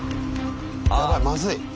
やばいまずい。